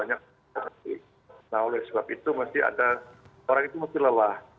nah oleh sebab itu orang itu masih lelah